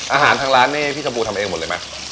อาหารทางร้านนี่พี่ชมพูทำเองหมดเลยไหม